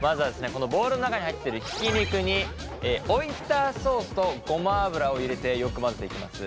このボウルの中に入ってるひき肉にオイスターソースとごま油を入れてよく混ぜていきます。